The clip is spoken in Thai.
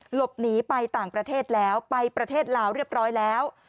หลบหนีไปต่างประเทศแล้วไปประเทศลาวเรียบร้อยแล้ว